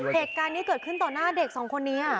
เหตุการณ์นี้เกิดขึ้นต่อหน้าเด็กสองคนนี้